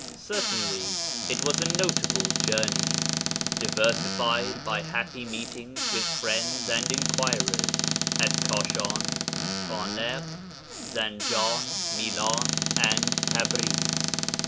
] Certainly it was a notable journey, diversified by happy meetings with friends and inquirers at Kashan, Khanliḳ, Zanjan, Milan, and Tabriz.